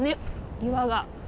岩が。